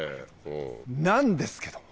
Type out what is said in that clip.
なんですけども。